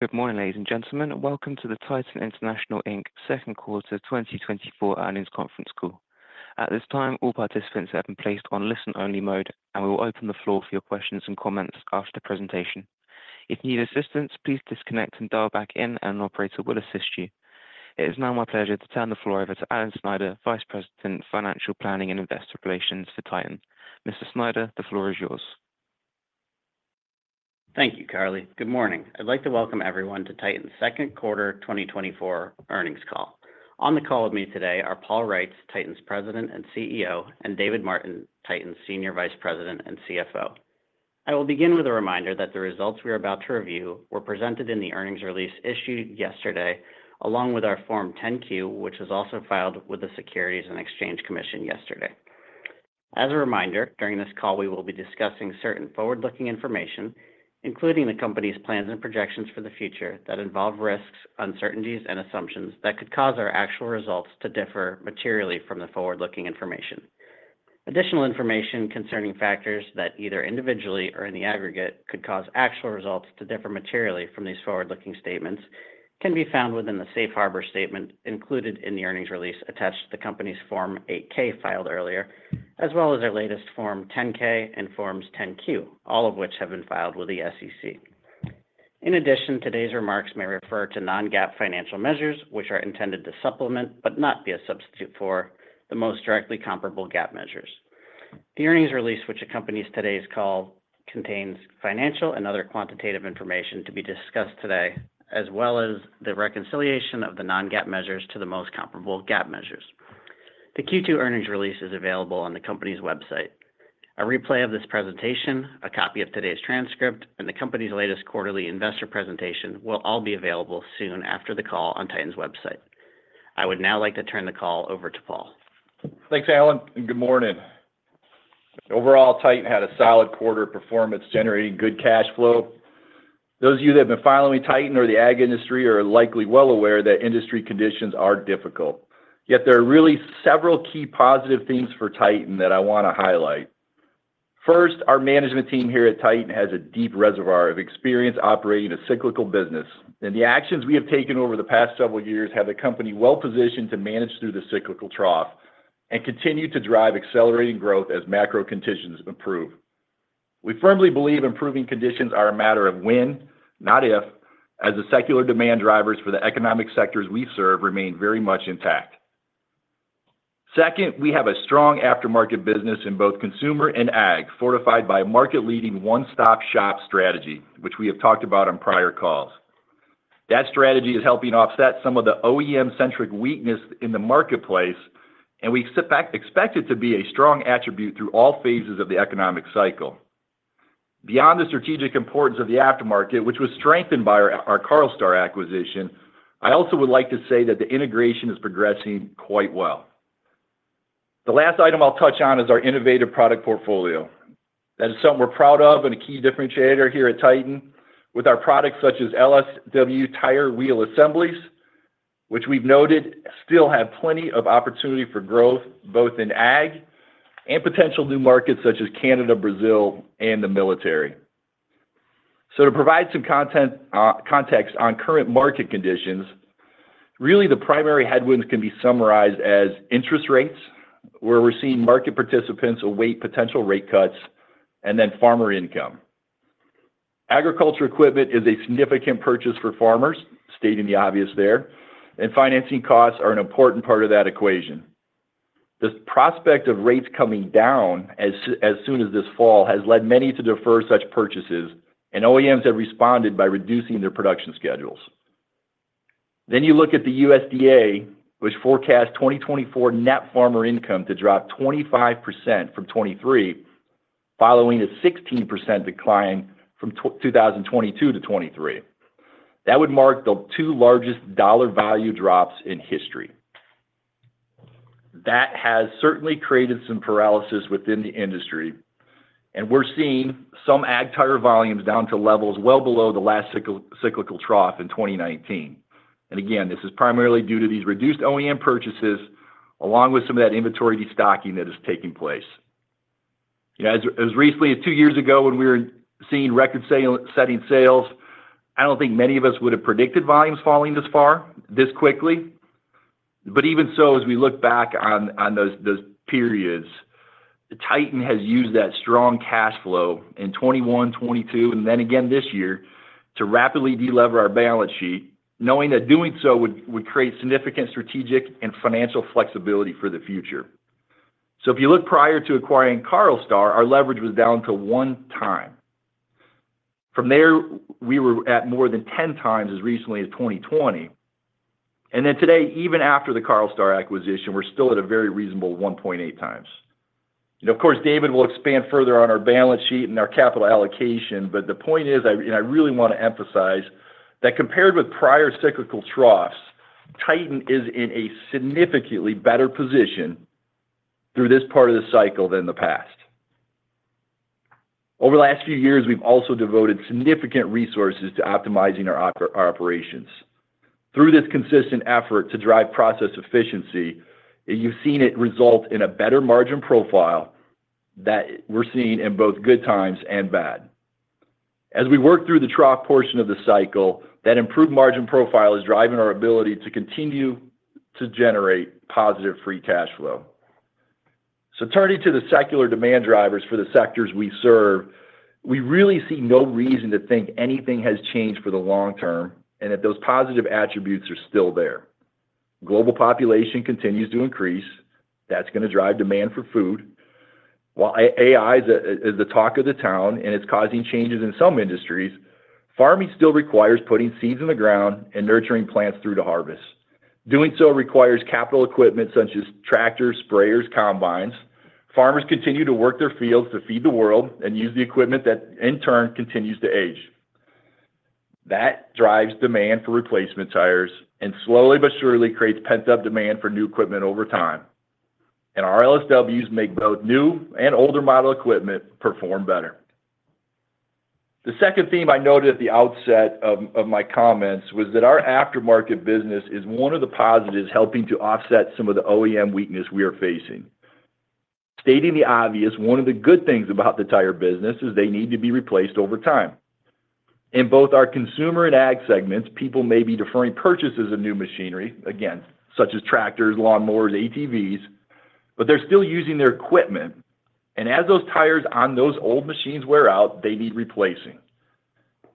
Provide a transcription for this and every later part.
Good morning, ladies and gentlemen, and welcome to the Titan International, Inc. Second Quarter 2024 earnings conference call. At this time, all participants have been placed on listen-only mode, and we will open the floor for your questions and comments after the presentation. If you need assistance, please disconnect and dial back in, and an operator will assist you. It is now my pleasure to turn the floor over to Alan Snyder, Vice President, Financial Planning and Investor Relations for Titan. Mr. Snyder, the floor is yours. Thank you, Carly. Good morning. I'd like to welcome everyone to Titan's Second Quarter 2024 earnings call. On the call with me today are Paul Reitz, Titan's President and CEO, and David Martin, Titan's Senior Vice President and CFO. I will begin with a reminder that the results we are about to review were presented in the earnings release issued yesterday, along with our Form 10-Q, which was also filed with the Securities and Exchange Commission yesterday. As a reminder, during this call, we will be discussing certain forward-looking information, including the company's plans and projections for the future that involve risks, uncertainties, and assumptions that could cause our actual results to differ materially from the forward-looking information. Additional information concerning factors that either individually or in the aggregate could cause actual results to differ materially from these forward-looking statements can be found within the Safe Harbor statement included in the earnings release attached to the company's Form 8-K filed earlier, as well as our latest Form 10-K and Forms 10-Q, all of which have been filed with the SEC. In addition, today's remarks may refer to non-GAAP financial measures, which are intended to supplement but not be a substitute for the most directly comparable GAAP measures. The earnings release, which accompanies today's call, contains financial and other quantitative information to be discussed today, as well as the reconciliation of the non-GAAP measures to the most comparable GAAP measures. The Q2 earnings release is available on the company's website. A replay of this presentation, a copy of today's transcript, and the company's latest quarterly investor presentation will all be available soon after the call on Titan's website. I would now like to turn the call over to Paul. Thanks, Alan, and good morning. Overall, Titan had a solid quarter of performance, generating good cash flow. Those of you that have been following Titan or the ag industry are likely well aware that industry conditions are difficult. Yet there are really several key positive things for Titan that I want to highlight. First, our management team here at Titan has a deep reservoir of experience operating a cyclical business, and the actions we have taken over the past several years have the company well positioned to manage through the cyclical trough and continue to drive accelerating growth as macro conditions improve. We firmly believe improving conditions are a matter of when, not if, as the secular demand drivers for the economic sectors we serve remain very much intact. Second, we have a strong aftermarket business in both consumer and ag, fortified by a market-leading one-stop shop strategy, which we have talked about on prior calls. That strategy is helping offset some of the OEM-centric weakness in the marketplace, and we expect it to be a strong attribute through all phases of the economic cycle. Beyond the strategic importance of the aftermarket, which was strengthened by our Carlstar acquisition, I also would like to say that the integration is progressing quite well. The last item I'll touch on is our innovative product portfolio. That is something we're proud of and a key differentiator here at Titan, with our products such as LSW tire wheel assemblies, which we've noted still have plenty of opportunity for growth both in ag and potential new markets such as Canada, Brazil, and the military. So to provide some context on current market conditions, really the primary headwinds can be summarized as interest rates, where we're seeing market participants await potential rate cuts, and then farmer income. Agricultural equipment is a significant purchase for farmers, stating the obvious there, and financing costs are an important part of that equation. The prospect of rates coming down as soon as this fall has led many to defer such purchases, and OEMs have responded by reducing their production schedules. Then you look at the USDA, which forecasts 2024 net farmer income to drop 25% from 2023, following a 16% decline from 2022 to 2023. That would mark the two largest dollar value drops in history. That has certainly created some paralysis within the industry, and we're seeing some ag tire volumes down to levels well below the last cyclical trough in 2019. This is primarily due to these reduced OEM purchases, along with some of that inventory destocking that is taking place. As recently as two years ago, when we were seeing record-setting sales, I don't think many of us would have predicted volumes falling this far this quickly. Even so, as we look back on those periods, Titan has used that strong cash flow in 2021, 2022, and then again this year to rapidly de-lever our balance sheet, knowing that doing so would create significant strategic and financial flexibility for the future. If you look prior to acquiring Carlstar, our leverage was down to one time. From there, we were at more than 10 times as recently as 2020. Today, even after the Carlstar acquisition, we're still at a very reasonable 1.8 times. Of course, David will expand further on our balance sheet and our capital allocation, but the point is, and I really want to emphasize that compared with prior cyclical troughs, Titan is in a significantly better position through this part of the cycle than the past. Over the last few years, we've also devoted significant resources to optimizing our operations. Through this consistent effort to drive process efficiency, you've seen it result in a better margin profile that we're seeing in both good times and bad. As we work through the trough portion of the cycle, that improved margin profile is driving our ability to continue to generate positive free cash flow. Turning to the secular demand drivers for the sectors we serve, we really see no reason to think anything has changed for the long term and that those positive attributes are still there. Global population continues to increase. That's going to drive demand for food. While AI is the talk of the town and it's causing changes in some industries, farming still requires putting seeds in the ground and nurturing plants through to harvest. Doing so requires capital equipment such as tractors, sprayers, combine. Farmers continue to work their fields to feed the world and use the equipment that, in turn, continues to age. That drives demand for replacement tires and slowly but surely creates pent-up demand for new equipment over time. And our LSWs make both new and older model equipment perform better. The second theme I noted at the outset of my comments was that our aftermarket business is one of the positives helping to offset some of the OEM weakness we are facing. Stating the obvious, one of the good things about the tire business is they need to be replaced over time. In both our consumer and ag segments, people may be deferring purchases of new machinery, again, such as tractors, lawnmowers, ATVs, but they're still using their equipment. And as those tires on those old machines wear out, they need replacing.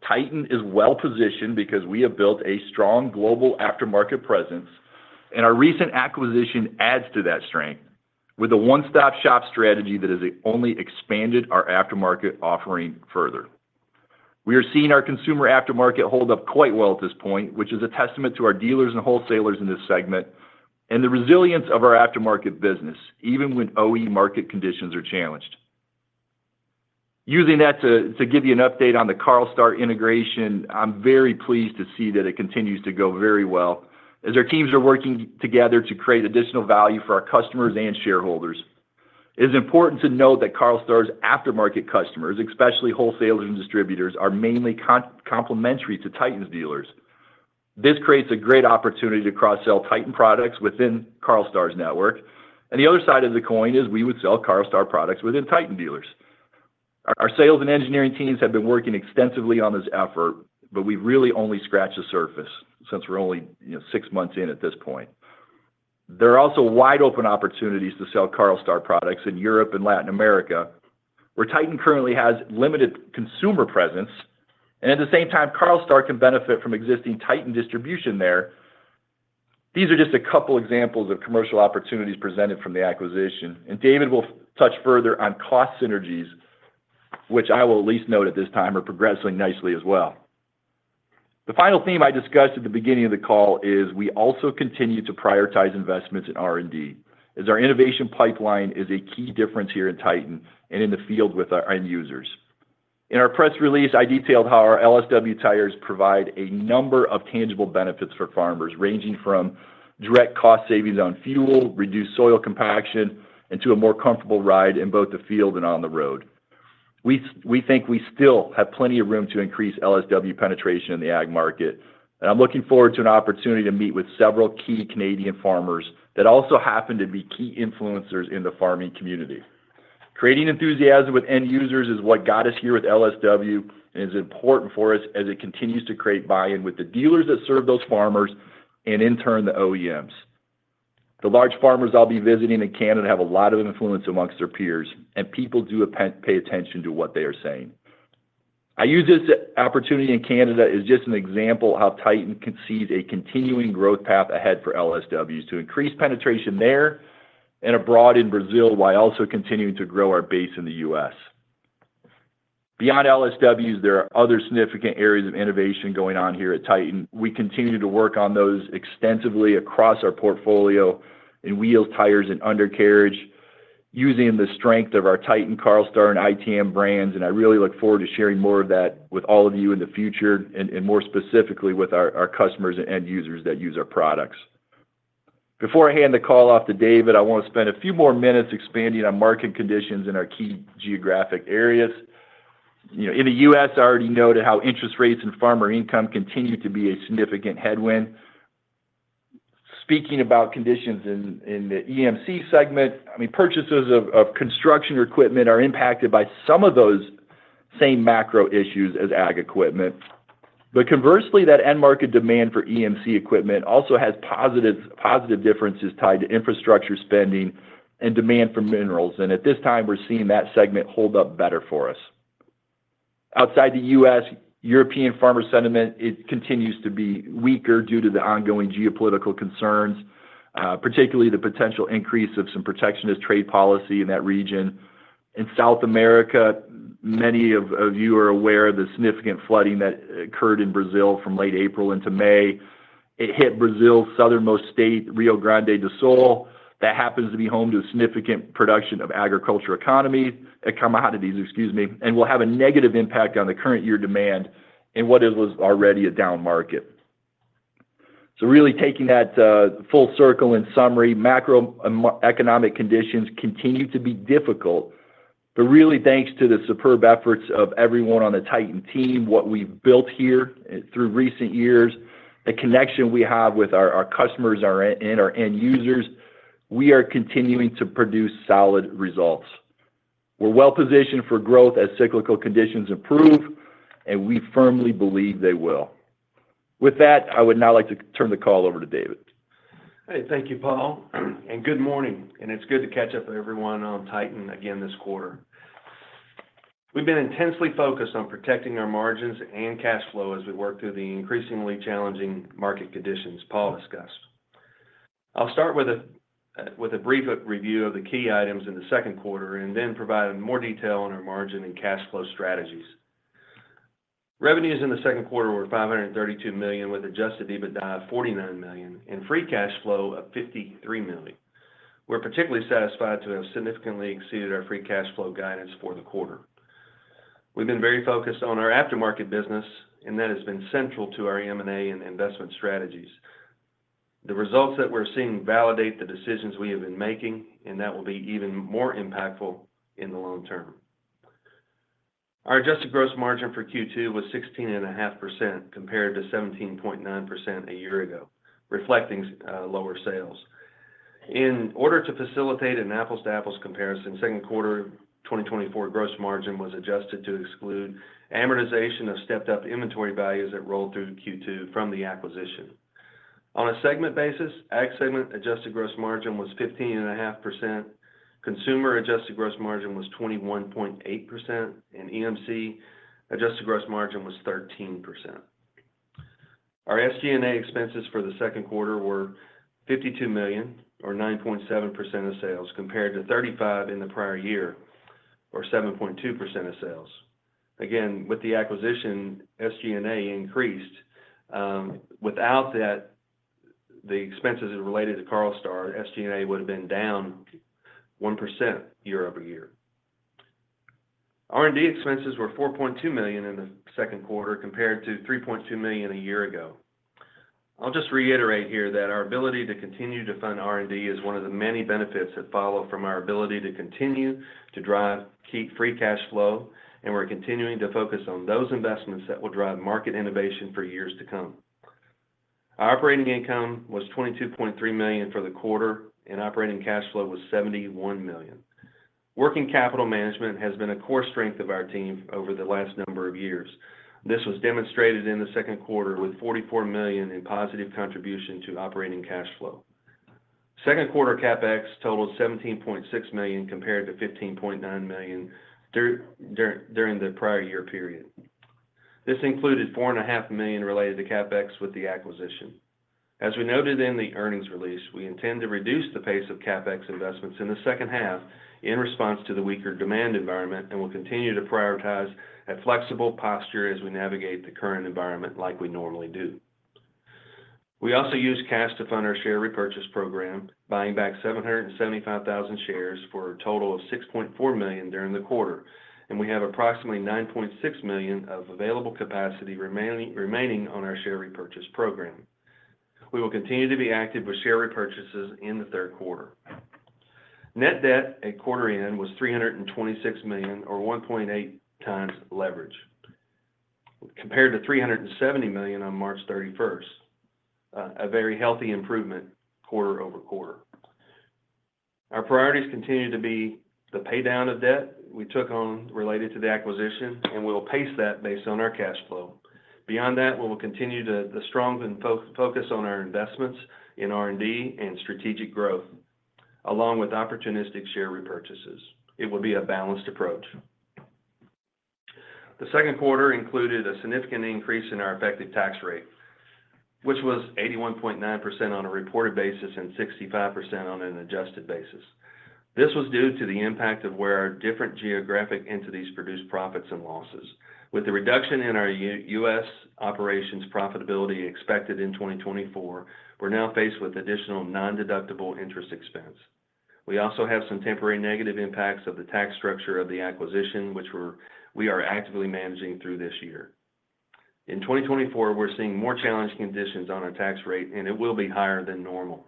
Titan is well positioned because we have built a strong global aftermarket presence, and our recent acquisition add to that strength with a one-stop shop strategy that has only expanded our aftermarket offering further. We are seeing our consumer aftermarket hold up quite well at this point, which is a testament to our dealers and wholesalers in this segment and the resilience of our aftermarket business, even when OE market conditions are challenged. Using that to give you an update on the Carlstar integration, I'm very pleased to see that it continues to go very well as our teams are working together to create additional value for our customers and shareholders. It is important to note that Carlstar's aftermarket customers, especially wholesalers and distributors, are mainly complementary to Titan's dealers. This creates a great opportunity to cross-sell Titan products within Carlstar's network. The other side of the coin is we would sell Carlstar products within Titan dealers. Our sales and engineering teams have been working extensively on this effort, but we've really only scratched the surface since we're only six months in at this point. There are also wide-open opportunities to sell Carlstar products in Europe and Latin America, where Titan currently has limited consumer presence. At the same time, Carlstar can benefit from existing Titan distribution there. These are just a couple of examples of commercial opportunities presented from the acquisition. David will touch further on cost synergies, which I will at least note at this time are progressing nicely as well. The final theme I discussed at the beginning of the call is we also continue to prioritize investments in R&D, as our innovation pipeline is a key difference here in Titan and in the field with our end users. In our press release, I detailed how our LSW tires provide a number of tangible benefits for farmers, ranging from direct cost savings on fuel, reduced soil compaction, and to a more comfortable ride in both the field and on the road. We think we still have plenty of room to increase LSW penetration in the ag market, and I'm looking forward to an opportunity to meet with several key Canadian farmers that also happen to be key influencers in the farming community. Creating enthusiasm with end users is what got us here with LSW, and it's important for us as it continues to create buy-in with the dealers that serve those farmers and, in turn, the OEMs. The large farmers I'll be visiting in Canada have a lot of influence amongst their peers, and people do pay attention to what they are saying. I use this opportunity in Canada as just an example of how Titan can see a continuing growth path ahead for LSWs to increase penetration there and abroad in Brazil while also continuing to grow our base in the U.S. Beyond LSWs, there are other significant areas of innovation going on here at Titan. We continue to work on those extensively across our portfolio in wheels, tires, and undercarriage, using the strength of our Titan, Carlstar, and ITM brands. And I really look forward to sharing more of that with all of you in the future, and more specifically with our customers and end users that use our products. Before I hand the call off to David, I want to spend a few more minutes expanding on market conditions in our key geographic areas. In the U.S., I already noted how interest rates and farmer income continue to be a significant headwind. Speaking about conditions in the EMC segment, I mean, purchases of construction equipment are impacted by some of those same macro issues as ag equipment. But conversely, that end market demand for EMC equipment also has positive differences tied to infrastructure spending and demand for minerals. At this time, we're seeing that segment hold up better for us. Outside the U.S., European farmer sentiment continues to be weaker due to the ongoing geopolitical concerns, particularly the potential increase of some protectionist trade policy in that region. In South America, many of you are aware of the significant flooding that occurred in Brazil from late April into May. It hit Brazil's southernmost state, Rio Grande do Sul. That happens to be home to a significant production of agricultural commodities, excuse me, and will have a negative impact on the current year demand in what was already a down market. So really taking that full circle in summary, macroeconomic conditions continue to be difficult, but really thanks to the superb efforts of everyone on the Titan team, what we've built here through recent years, the connection we have with our customers and our end users, we are continuing to produce solid results. We're well positioned for growth as cyclical conditions improve, and we firmly believe they will. With that, I would now like to turn the call over to David. Hey, thank you, Paul. Good morning. It's good to catch up with everyone on Titan again this quarter. We've been intensely focused on protecting our margins and cash flow as we work through the increasingly challenging market conditions Paul discussed. I'll start with a brief review of the key items in the second quarter and then provide more detail on our margin and cash flow strategies. Revenues in the second quarter were $532 million, with Adjusted EBITDA of $49 million, and free cash flow of $53 million. We're particularly satisfied to have significantly exceeded our free cash flow guidance for the quarter. We've been very focused on our aftermarket business, and that has been central to our M&A and investment strategies. The results that we're seeing validate the decisions we have been making, and that will be even more impactful in the long term. Our adjusted gross margin for Q2 was 16.5% compared to 17.9% a year ago, reflecting lower sales. In order to facilitate an apples-to-apples comparison, second quarter 2024 gross margin was adjusted to exclude amortization of stepped-up inventory values that rolled through Q2 from the acquisition. On a segment basis, ag segment adjusted gross margin was 15.5%, consumer adjusted gross margin was 21.8%, and EMC adjusted gross margin was 13%. Our SG&A expenses for the second quarter were $52 million, or 9.7% of sales, compared to $35 million in the prior year, or 7.2% of sales. Again, with the acquisition, SG&A increased. Without the expenses related to Carlstar, SG&A would have been down 1% year-over-year. R&D expenses were $4.2 million in the second quarter compared to $3.2 million a year ago. I'll just reiterate here that our ability to continue to fund R&D is one of the many benefits that follow from our ability to continue to drive keep free cash flow, and we're continuing to focus on those investments that will drive market innovation for years to come. Our operating income was $22.3 million for the quarter, and operating cash flow was $71 million. Working capital management has been a core strength of our team over the last number of years. This was demonstrated in the second quarter with $44 million in positive contribution to operating cash flow. Second quarter CapEx totaled $17.6 million compared to $15.9 million during the prior year period. This included $4.5 million related to CapEx with the acquisition. As we noted in the earnings release, we intend to reduce the pace of CapEx investments in the second half in response to the weaker demand environment and will continue to prioritize a flexible posture as we navigate the current environment like we normally do. We also use cash to fund our share repurchase program, buying back 775,000 shares for a total of $6.4 million during the quarter, and we have approximately $9.6 million of available capacity remaining on our share repurchase program. We will continue to be active with share repurchases in the third quarter. Net debt at quarter-end was $326 million, or 1.8x leverage, compared to $370 million on March 31st, a very healthy improvement quarter-over-quarter. Our priorities continue to be the paydown of debt we took on related to the acquisition, and we'll pace that based on our cash flow. Beyond that, we will continue to strongly focus on our investments in R&D and strategic growth, along with opportunistic share repurchases. It will be a balanced approach. The second quarter included a significant increase in our effective tax rate, which was 81.9% on a reported basis and 65% on an adjusted basis. This was due to the impact of where our different geographic entities produced profits and losses. With the reduction in our U.S. operations profitability expected in 2024, we're now faced with additional non-deductible interest expense. We also have some temporary negative impacts of the tax structure of the acquisition, which we are actively managing through this year. In 2024, we're seeing more challenging conditions on our tax rate, and it will be higher than normal.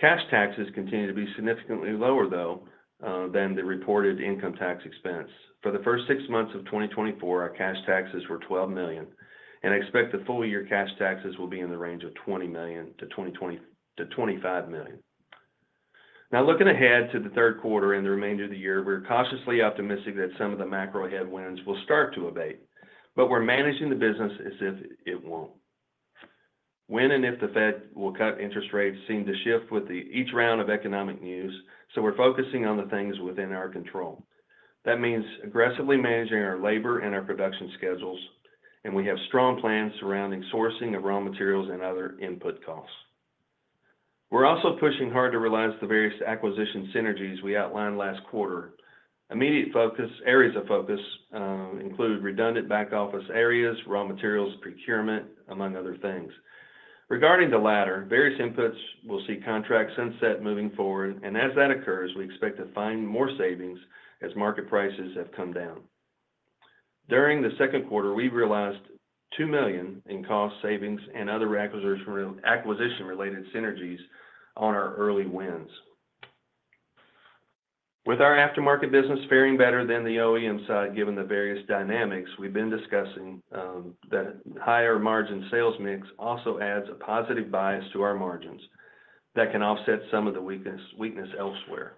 Cash taxes continue to be significantly lower, though, than the reported income tax expense. For the first six months of 2024, our cash taxes were $12 million, and I expect the full year cash taxes will be in the range of $20 million-$25 million. Now, looking ahead to the third quarter and the remainder of the year, we're cautiously optimistic that some of the macro headwinds will start to abate, but we're managing the business as if it won't. When and if the Fed will cut interest rates seem to shift with each round of economic news, so we're focusing on the things within our control. That means aggressively managing our labor and our production schedules, and we have strong plans surrounding sourcing of raw materials and other input costs. We're also pushing hard to realize the various acquisition synergies we outlined last quarter. Immediate areas of focus include redundant back office areas, raw materials procurement, among other things. Regarding the latter, various inputs will see contracts sunset moving forward, and as that occurs, we expect to find more savings as market prices have come down. During the second quarter, we realized $2 million in cost savings and other acquisition-related synergies on our early wins. With our aftermarket business faring better than the OEM side, given the various dynamics we've been discussing, that higher margin sales mix also adds a positive bias to our margins that can offset some of the weakness elsewhere.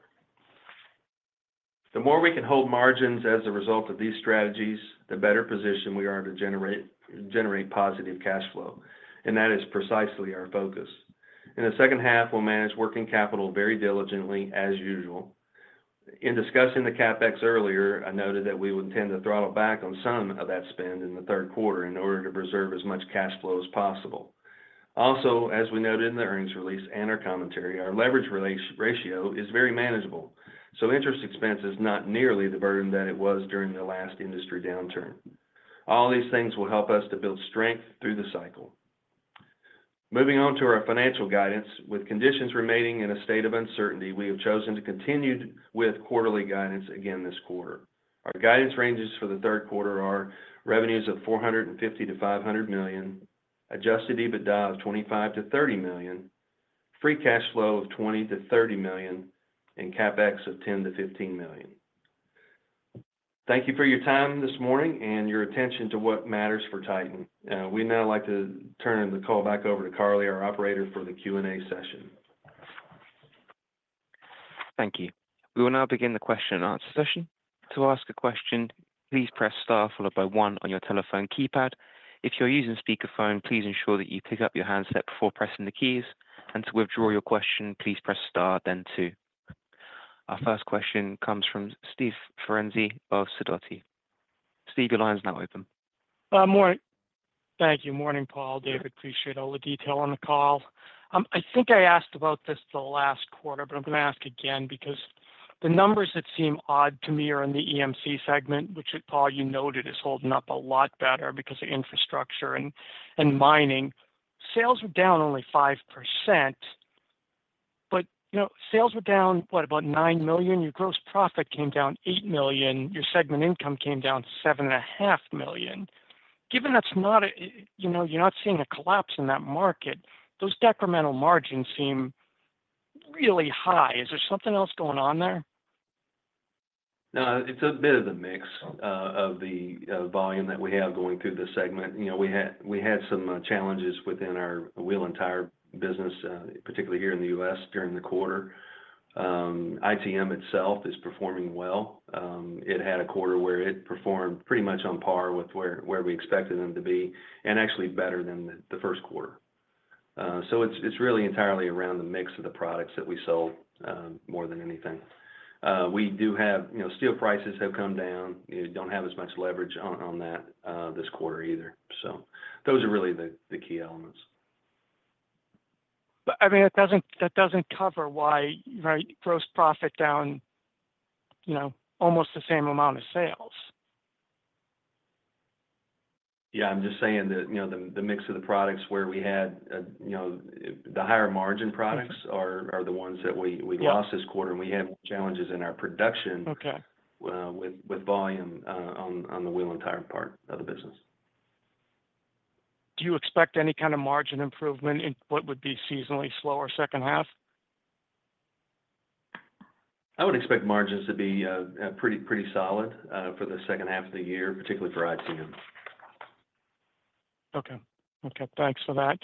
The more we can hold margins as a result of these strategies, the better position we are to generate positive cash flow, and that is precisely our focus. In the second half, we'll manage working capital very diligently, as usual. In discussing the CapEx earlier, I noted that we would intend to throttle back on some of that spend in the third quarter in order to preserve as much cash flow as possible. Also, as we noted in the earnings release and our commentary, our leverage ratio is very manageable, so interest expense is not nearly the burden that it was during the last industry downturn. All these things will help us to build strength through the cycle. Moving on to our financial guidance, with conditions remaining in a state of uncertainty, we have chosen to continue with quarterly guidance again this quarter. Our guidance ranges for the third quarter are revenues of $450-$500 million, Adjusted EBITDA of $25-$30 million, free cash flow of $20-$30 million, and CapEx of $10-$15 million. Thank you for your time this morning and your attention to what matters for Titan. We'd now like to turn the call back over to Carly, our operator, for the Q&A session. Thank you. We will now begin the question and answer session. To ask a question, please press Star followed by 1 on your telephone keypad. If you're using speakerphone, please ensure that you pick up your handset before pressing the keys. And to withdraw your question, please press Star, then 2. Our first question comes from Steve Ferr of Sidoti. Steve, your line's now open. Morning. Thank you. Morning, Paul. David, appreciate all the detail on the call. I think I asked about this the last quarter, but I'm going to ask again because the numbers that seem odd to me are in the EMC segment, which, Paul, you noted is holding up a lot better because of infrastructure and mining. Sales were down only 5%, but sales were down, what, about $9 million? Your gross profit came down $8 million. Your segment income came down $7.5 million. Given that's not a—you're not seeing a collapse in that market, those decremental margins seem really high. Is there something else going on there? No, it's a bit of a mix of the volume that we have going through the segment. We had some challenges within our wheel and tire business, particularly here in the U.S., during the quarter. ITM itself is performing well. It had a quarter where it performed pretty much on par with where we expected them to be and actually better than the first quarter. So it's really entirely around the mix of the products that we sold more than anything. We do have. Steel prices have come down. You don't have as much leverage on that this quarter either. So those are really the key elements. But I mean, that doesn't cover why you've had gross profit down almost the same amount of sales. Yeah, I'm just saying that the mix of the products where we had the higher margin products are the ones that we lost this quarter, and we had more challenges in our production with volume on the wheel and tire part of the business. Do you expect any kind of margin improvement in what would be seasonally slower second half? I would expect margins to be pretty solid for the second half of the year, particularly for ITM. Okay. Okay. Thanks for that.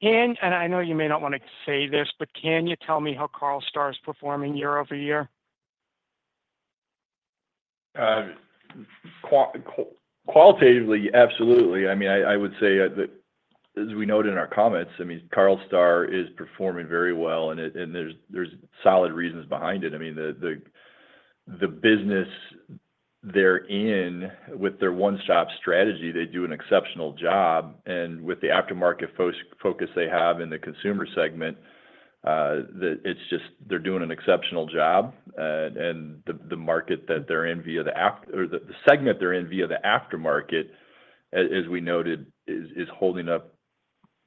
And I know you may not want to say this, but can you tell me how Carlstar is performing year-over-year? Qualitatively, absolutely. I mean, I would say that as we noted in our comments, I mean, Carlstar is performing very well, and there's solid reasons behind it. I mean, the business they're in with their one-stop strategy, they do an exceptional job. And with the aftermarket focus they have in the consumer segment, it's just they're doing an exceptional job. And the market that they're in via the—or the segment they're in via the aftermarket, as we noted, is holding up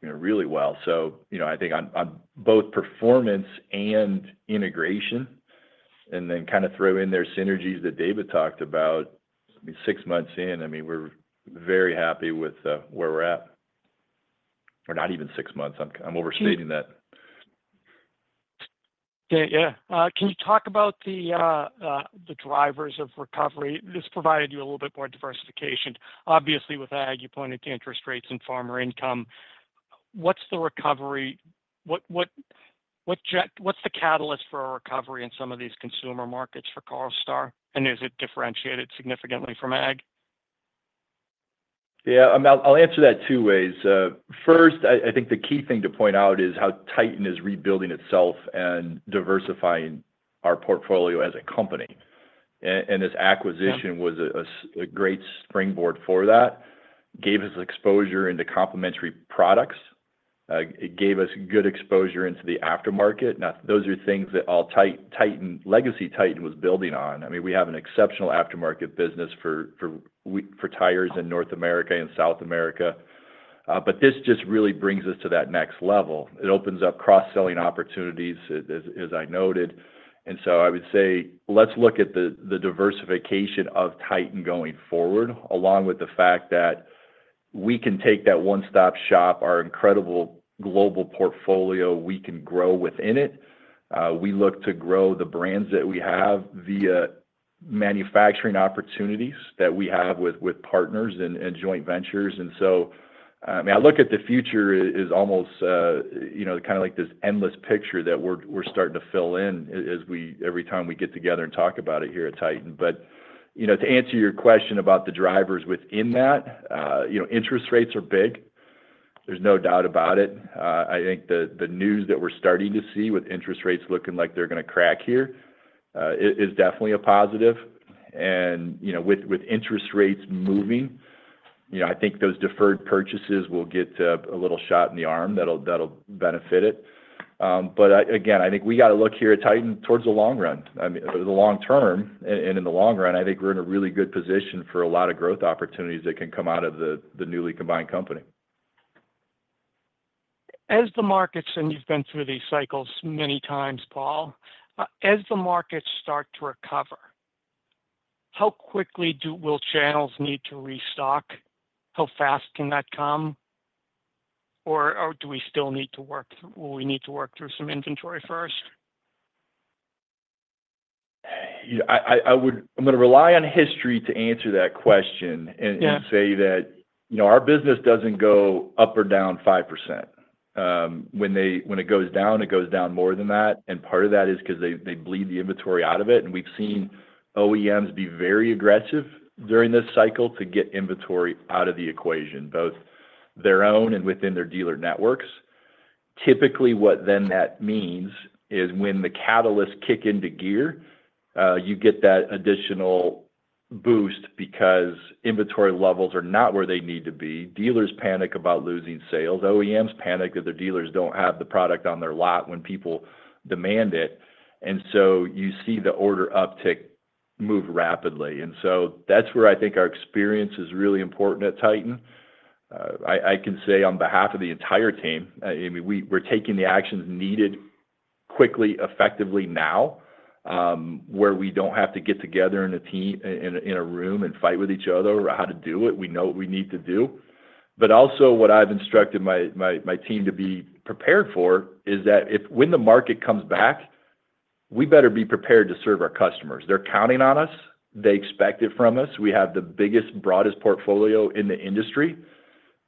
really well. So I think on both performance and integration, and then kind of throw in their synergies that David talked about, I mean, six months in, I mean, we're very happy with where we're at. Or not even six months. I'm overstating that. Yeah. Can you talk about the drivers of recovery? This provided you a little bit more diversification. Obviously, with ag, you pointed to interest rates and farmer income. What's the recovery? What's the catalyst for a recovery in some of these consumer markets for Carlstar? And is it differentiated significantly from ag? Yeah. I'll answer that two ways. First, I think the key thing to point out is how Titan is rebuilding itself and diversifying our portfolio as a company. And this acquisition was a great springboard for that. It gave us exposure into complementary products. It gave us good exposure into the aftermarket. Those are things that all Titan - legacy Titan was building on. I mean, we have an exceptional aftermarket business for tires in North America and South America. But this just really brings us to that next level. It opens up cross-selling opportunities, as I noted. And so I would say, let's look at the diversification of Titan going forward, along with the fact that we can take that one-stop shop, our incredible global portfolio, we can grow within it. We look to grow the brands that we have via manufacturing opportunities that we have with partners and joint ventures. And so, I mean, I look at the future as almost kind of like this endless picture that we're starting to fill in every time we get together and talk about it here at Titan. But to answer your question about the drivers within that, interest rates are big. There's no doubt about it. I think the news that we're starting to see with interest rates looking like they're going to crack here is definitely a positive. And with interest rates moving, I think those deferred purchases will get a little shot in the arm that'll benefit it. But again, I think we got to look here at Titan towards the long run. I mean, the long term, and in the long run, I think we're in a really good position for a lot of growth opportunities that can come out of the newly combined company. As the markets, and you've been through these cycles many times, Paul, as the markets start to recover, how quickly will channels need to restock? How fast can that come? Or do we still need to work, will we need to work through some inventory first? I'm going to rely on history to answer that question and say that our business doesn't go up or down 5%. When it goes down, it goes down more than that. Part of that is because they bleed the inventory out of it. We've seen OEMs be very aggressive during this cycle to get inventory out of the equation, both their own and within their dealer networks. Typically, what then that means is when the catalysts kick into gear, you get that additional boost because inventory levels are not where they need to be. Dealers panic about losing sales. OEMs panic that their dealers don't have the product on their lot when people demand it. So you see the order uptick move rapidly. That's where I think our experience is really important at Titan. I can say on behalf of the entire team, I mean, we're taking the actions needed quickly, effectively now, where we don't have to get together in a room and fight with each other about how to do it. We know what we need to do. But also what I've instructed my team to be prepared for is that when the market comes back, we better be prepared to serve our customers. They're counting on us. They expect it from us. We have the biggest, broadest portfolio in the industry.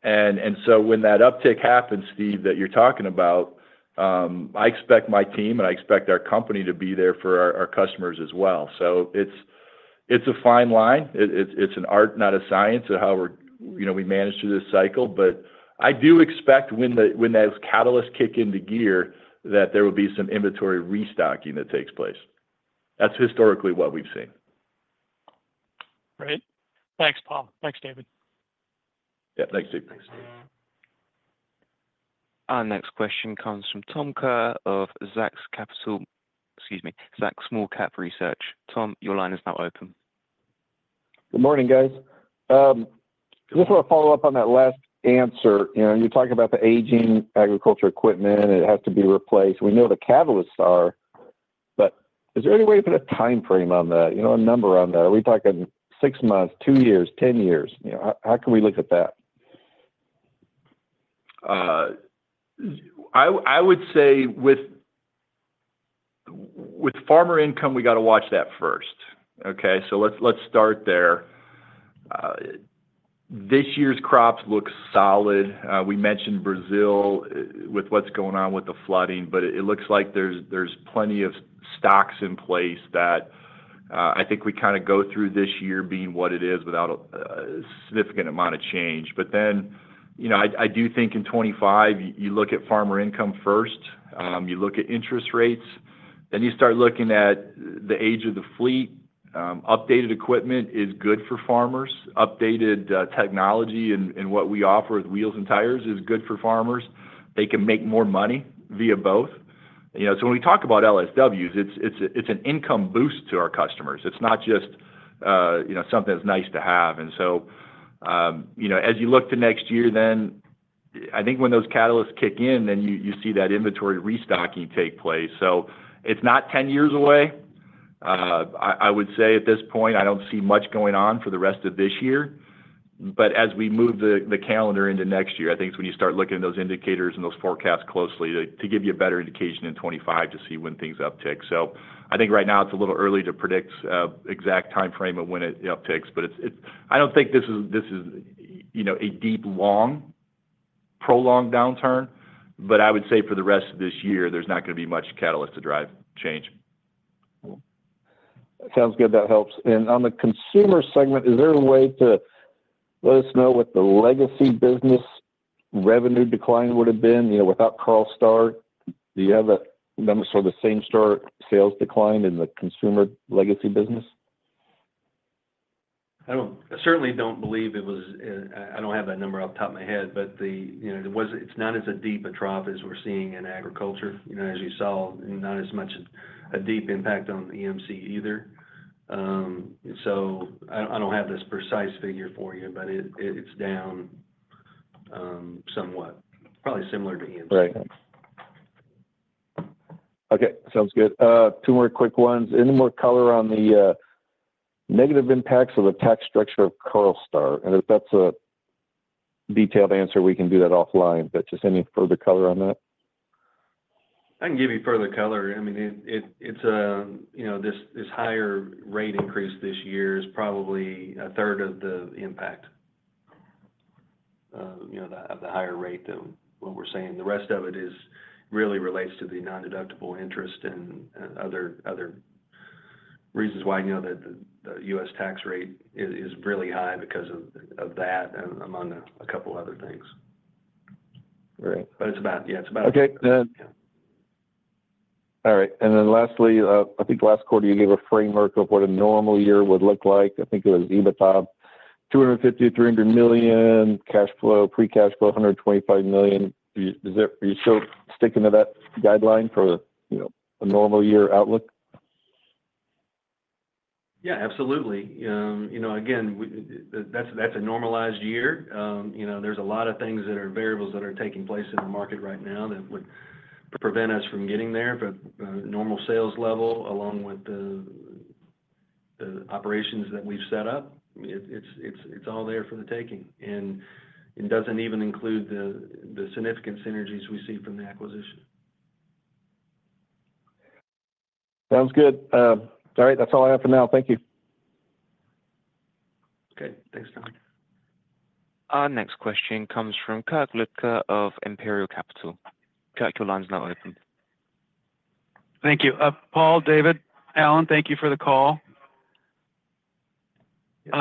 And so when that uptick happens, Steve, that you're talking about, I expect my team and I expect our company to be there for our customers as well. So it's a fine line. It's an art, not a science, of how we manage through this cycle. But I do expect when those catalysts kick into gear that there will be some inventory restocking that takes place. That's historically what we've seen. Great. Thanks, Paul. Thanks, David. Yeah. Thanks, Steve. Thanks, Steve. Our next question comes from Tom Kerr of Zacks Small Cap, excuse me, Zacks Small Cap Research. Tom, your line is now open. Good morning, guys. Just want to follow up on that last answer. You're talking about the aging agriculture equipment. It has to be replaced. We know the catalysts are, but is there any way to put a timeframe on that, a number on that? Are we talking 6 months, 2 years, 10 years? How can we look at that? I would say with farmer income, we got to watch that first. Okay? So let's start there. This year's crops look solid. We mentioned Brazil with what's going on with the flooding, but it looks like there's plenty of stocks in place that I think we kind of go through this year being what it is without a significant amount of change. But then I do think in 2025, you look at farmer income first. You look at interest rates. Then you start looking at the age of the fleet. Updated equipment is good for farmers. Updated technology and what we offer with wheels and tires is good for farmers. They can make more money via both. So when we talk about LSWs, it's an income boost to our customers. It's not just something that's nice to have. And so as you look to next year, then I think when those catalysts kick in, then you see that inventory restocking take place. So it's not 10 years away. I would say at this point, I don't see much going on for the rest of this year. But as we move the calendar into next year, I think it's when you start looking at those indicators and those forecasts closely to give you a better indication in 2025 to see when things uptick. So I think right now it's a little early to predict exact timeframe of when it upticks. But I don't think this is a deep, long, prolonged downturn. But I would say for the rest of this year, there's not going to be much catalyst to drive change. Sounds good. That helps. And on the consumer segment, is there a way to let us know what the legacy business revenue decline would have been without Carlstar? Do you have a number for the same store sales decline in the consumer legacy business? I certainly don't believe it was. I don't have that number off the top of my head, but it's not as deep a trough as we're seeing in agriculture. As you saw, not as much of a deep impact on EMC either. So I don't have this precise figure for you, but it's down somewhat. Probably similar to EMC. Right. Okay. Sounds good. Two more quick ones. Any more color on the negative impacts of the tax structure of Carlstar? And if that's a detailed answer, we can do that offline. But just any further color on that? I can give you further color. I mean, this higher rate increase this year is probably a third of the impact of the higher rate than what we're seeing. The rest of it really relates to the non-deductible interest and other reasons why I know that the U.S. tax rate is really high because of that among a couple of other things. But it's about. Okay. All right. And then lastly, I think last quarter, you gave a framework of what a normal year would look like. I think it was EBITDA $250 million-$300 million, free cash flow $125 million. Are you still sticking to that guideline for a normal year outlook? Yeah, absolutely. Again, that's a normalized year. There's a lot of things that are variables that are taking place in the market right now that would prevent us from getting there. But normal sales level, along with the operations that we've set up, it's all there for the taking. And it doesn't even include the significant synergies we see from the acquisition. Sounds good. All right. That's all I have for now. Thank you. Okay. Thanks, Tom. Our next question comes from Kirk Ludtke of Imperial Capital. Kirk, your line's now open. Thank you. Paul, David, Alan, thank you for the call. Good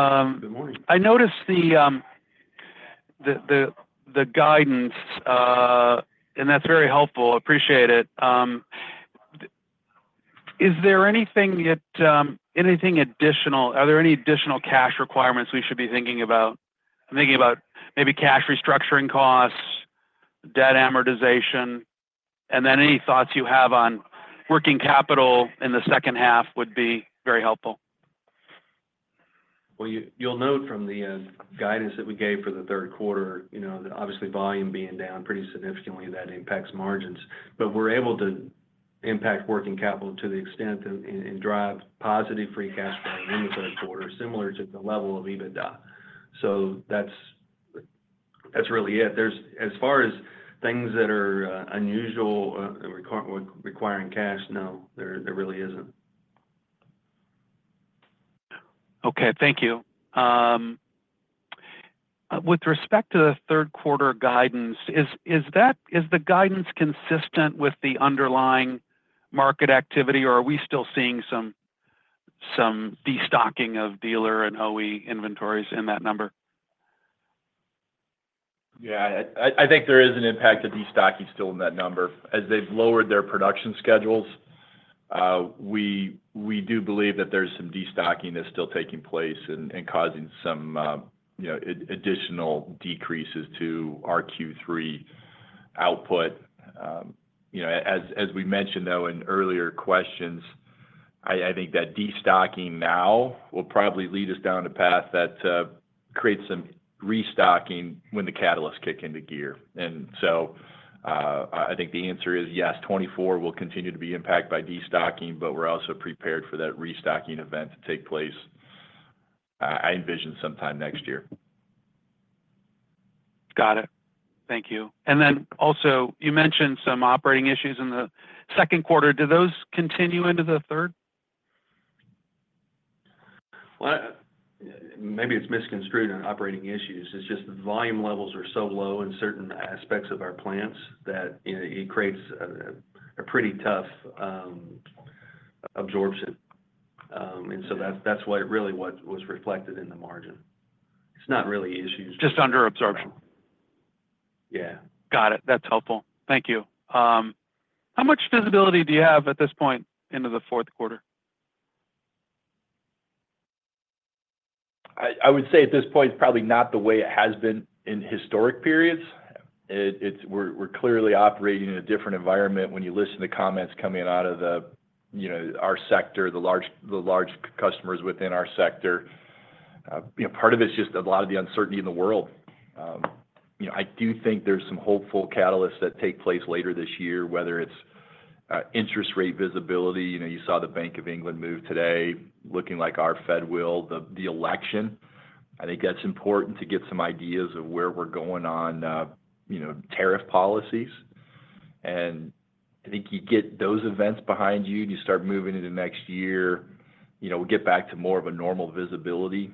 morning. I noticed the guidance, and that's very helpful. Appreciate it. Is there anything additional? Are there any additional cash requirements we should be thinking about? I'm thinking about maybe cash restructuring costs, debt amortization, and then any thoughts you have on working capital in the second half would be very helpful. Well, you'll note from the guidance that we gave for the third quarter, obviously volume being down pretty significantly, that impacts margins. But we're able to impact working capital to the extent and drive positive free cash flow in the third quarter, similar to the level of EBITDA. So that's really it. As far as things that are unusual requiring cash, no, there really isn't. Okay. Thank you. With respect to the third quarter guidance, is the guidance consistent with the underlying market activity, or are we still seeing some destocking of dealer and OE inventories in that number? Yeah. I think there is an impact of destocking still in that number. As they've lowered their production schedules, we do believe that there's some destocking that's still taking place and causing some additional decreases to our Q3 output. As we mentioned, though, in earlier questions, I think that destocking now will probably lead us down a path that creates some restocking when the catalysts kick into gear. And so I think the answer is yes. 2024 will continue to be impacted by destocking, but we're also prepared for that restocking event to take place, I envision sometime next year. Got it. Thank you. And then also, you mentioned some operating issues in the second quarter. Do those continue into the third? Well, maybe it's misconstrued on operating issues. It's just the volume levels are so low in certain aspects of our plants that it creates a pretty tough absorption. And so that's really what was reflected in the margin. It's not really issues. Just under absorption. Yeah. Got it. That's helpful. Thank you. How much visibility do you have at this point into the fourth quarter? I would say at this point, probably not the way it has been in historic periods. We're clearly operating in a different environment when you listen to comments coming out of our sector, the large customers within our sector. Part of it's just a lot of the uncertainty in the world. I do think there's some hopeful catalysts that take place later this year, whether it's interest rate visibility, you saw the Bank of England move today, looking like our Fed will, the election. I think that's important to get some ideas of where we're going on tariff policies. And I think you get those events behind you, and you start moving into next year, we'll get back to more of a normal visibility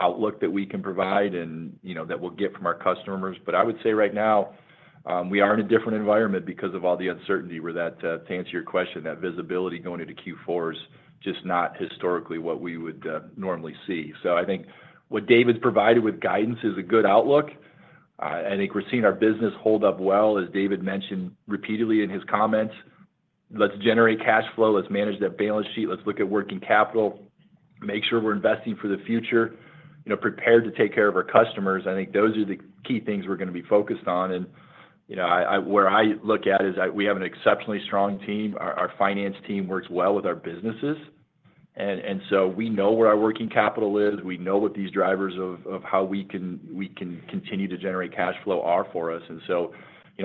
outlook that we can provide and that we'll get from our customers. But I would say right now, we are in a different environment because of all the uncertainty where that, to answer your question, that visibility going into Q4 is just not historically what we would normally see. So I think what David's provided with guidance is a good outlook. I think we're seeing our business hold up well, as David mentioned repeatedly in his comments. Let's generate cash flow. Let's manage that balance sheet. Let's look at working capital. Make sure we're investing for the future. Prepare to take care of our customers. I think those are the key things we're going to be focused on. And where I look at is we have an exceptionally strong team. Our finance team works well with our businesses. And so we know where our working capital is. We know what these drivers of how we can continue to generate cash flow are for us. And so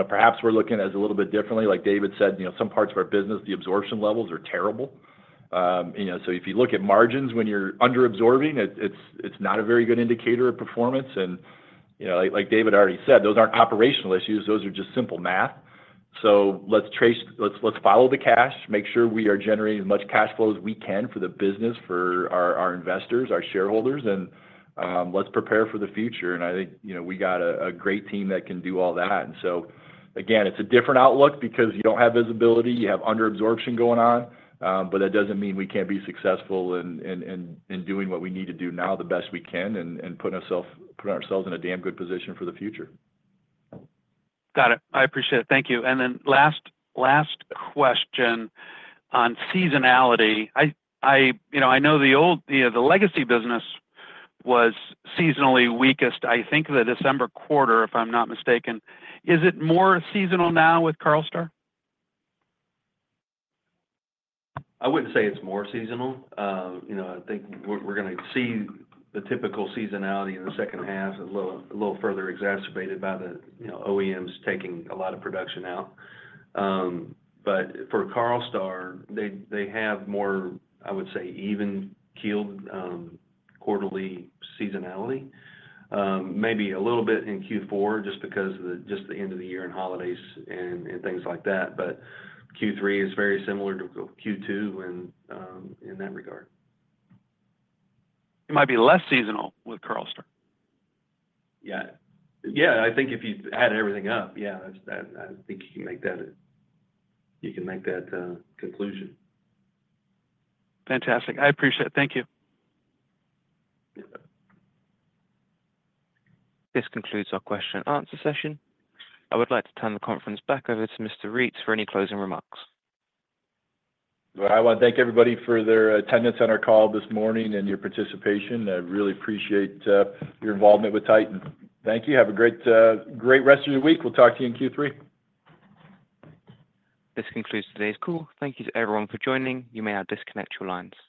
perhaps we're looking at it a little bit differently. Like David said, some parts of our business, the absorption levels are terrible. So if you look at margins when you're underabsorbing, it's not a very good indicator of performance. And like David already said, those aren't operational issues. Those are just simple math. So let's follow the cash, make sure we are generating as much cash flow as we can for the business, for our investors, our shareholders, and let's prepare for the future. And I think we got a great team that can do all that. And so again, it's a different outlook because you don't have visibility. You have underabsorption going on. But that doesn't mean we can't be successful in doing what we need to do now the best we can and putting ourselves in a damn good position for the future. Got it. I appreciate it. Thank you. And then last question on seasonality. I know the legacy business was seasonally weakest, I think, the December quarter, if I'm not mistaken. Is it more seasonal now with Carlstar? I wouldn't say it's more seasonal. I think we're going to see the typical seasonality in the second half a little further exacerbated by the OEMs taking a lot of production out. But for Carlstar, they have more, I would say, even-keeled quarterly seasonality. Maybe a little bit in Q4, just because of just the end of the year and holidays and things like that. But Q3 is very similar to Q2 in that regard. It might be less seasonal with Carlstar. Yeah. Yeah. I think if you add everything up, yeah, I think you can make that you can make that conclusion. Fantastic. I appreciate it. Thank you. This concludes our question-and-answer session. I would like to turn the conference back over to Mr. Reitz for any closing remarks. All right. I want to thank everybody for their attendance on our call this morning and your participation. I really appreciate your involvement with Titan. Thank you. Have a great rest of your week. We'll talk to you in Q3. This concludes today's call. Thank you to everyone for joining. You may now disconnect your lines.